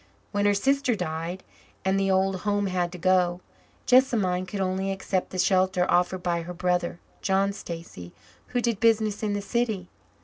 When her sister died and the old home had to go, Jessamine could only accept the shelter offered by her brother, John Stacy, who did business in the city.